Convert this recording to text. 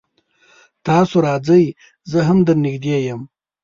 تاسو راځئ زه هم در نږدې يم